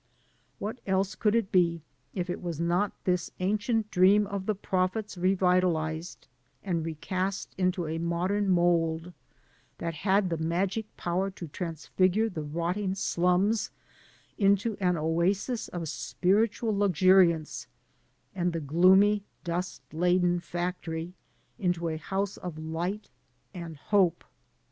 What else could it be, if it was not this ancient dream of the prophets revitalized and recast into a modem mold, that had the magic power to transfigure the rotting slums into an oasis of spiritual luxuriance, and the gloomy, dust laden factory into arouse of light and hope?